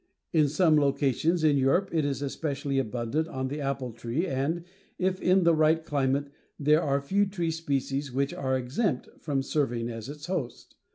In some locations in Europe it is especially abundant on the apple tree and, if in the right climate, there are few tree species which are exempt from serving as its host.